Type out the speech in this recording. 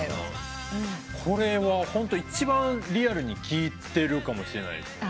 これはホント一番リアルに聴いてるかもしれないですね。